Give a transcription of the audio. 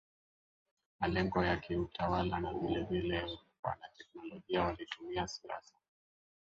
malengo ya kiutawala na vilevile wanateolojia walitumia siasa